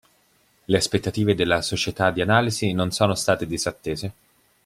Le aspettative della società di analisi non sono state disattese.